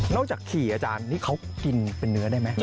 จากขี่อาจารย์นี่เขากินเป็นเนื้อได้ไหม